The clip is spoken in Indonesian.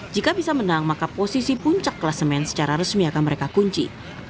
jika bisa menang maka posisi puncak kelasemen secara resmi akan mereka kunci